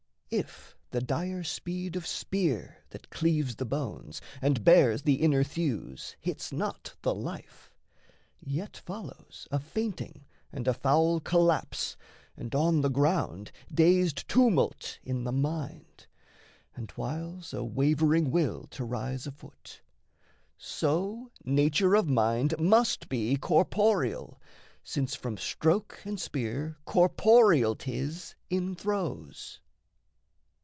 If the dire speed of spear that cleaves the bones And bares the inner thews hits not the life, Yet follows a fainting and a foul collapse, And, on the ground, dazed tumult in the mind, And whiles a wavering will to rise afoot. So nature of mind must be corporeal, since From stroke and spear corporeal 'tis in throes.